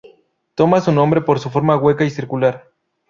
Toma su nombre por su forma hueca y circular.